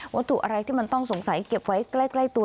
วัตถุอะไรที่มันต้องสงสัยเก็บไว้ใกล้ตัว